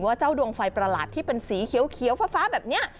เจ้าดวงไฟประหลาดที่เป็นสีเขียวฟ้าแบบนี้